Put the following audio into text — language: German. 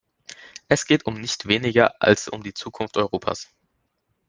Es geht um nicht weniger als um die Zukunft Europas!